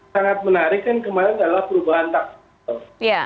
sangat menarik kan kemarin adalah perubahan taktik